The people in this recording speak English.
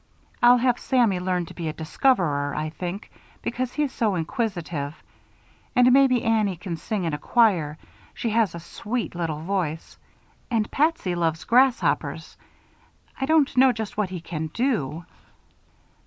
I'll have Sammy learn to be a discoverer, I think, because he's so inquisitive; and maybe Annie can sing in a choir she has a sweet little voice. And Patsy loves grasshoppers I don't know just what he can do."